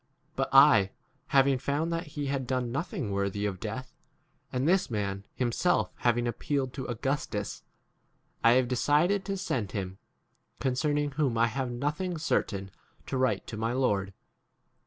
But I, having found that he had done nothing worthy of death, and this [man] himself having appealed to Augus tus, I have decided to send him, 26 concerning whom I have nothing certain to write to my lord.